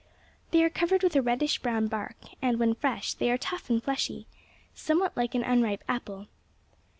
They are covered with a reddish brown bark; and when fresh, they are tough and fleshy, somewhat like an unripe apple.